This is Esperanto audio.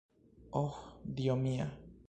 Ohh, dio mia!